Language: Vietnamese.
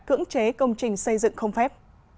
cưỡng chế công trình xây dựng không phép